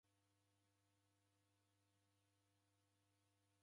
Mkongo waw'edaika.